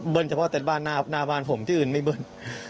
เฉพาะแต่บ้านหน้าบ้านผมที่อื่นไม่เบิ้ล